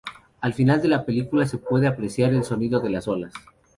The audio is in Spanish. Al final de la película, se puede apreciar el sonido de las olas.